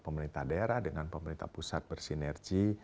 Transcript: pemerintah daerah dengan pemerintah pusat bersinergi